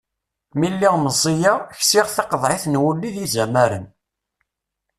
Mi lliɣ meẓẓiyeɣ, ksiɣ taqeḍɛit n wulli d yizamaren.